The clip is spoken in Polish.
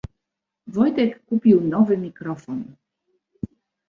Wojtek kupił nowy mikrofon.